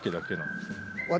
私。